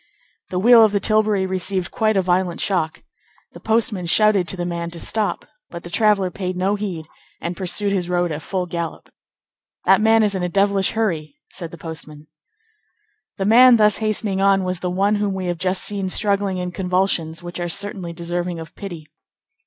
The wheel of the tilbury received quite a violent shock. The postman shouted to the man to stop, but the traveller paid no heed and pursued his road at full gallop. "That man is in a devilish hurry!" said the postman. The man thus hastening on was the one whom we have just seen struggling in convulsions which are certainly deserving of pity.